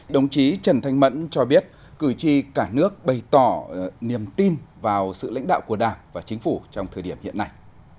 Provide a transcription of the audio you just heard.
đồng chí trần thanh mẫn cho biết cử tri cả nước bày tỏ niềm tin vào sự lãnh đạo của đảng và chính phủ trong thời điểm hiện nay